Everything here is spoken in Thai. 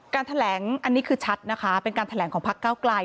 แถลงอันนี้คือชัดนะคะเป็นการแถลงของพักเก้าไกล